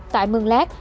tại mường lát